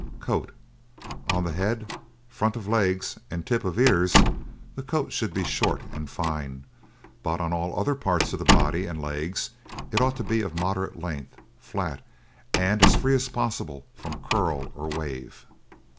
COAT On the head, front of legs, and tips of ears the coat should be short and fine; but on all other parts of the body and legs it ought to be of moderate length, flat, and as free as possible from curl or wave.